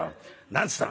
何つったの？」。